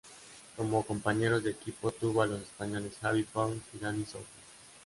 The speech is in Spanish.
Como compañeros de equipo tuvo a los españoles Xavi Pons y Dani Sordo.